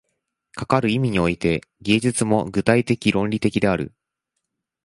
かかる意味において、芸術も具体的論理的である。